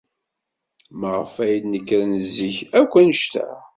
Maɣef ay d-nekren zik akk anect-a?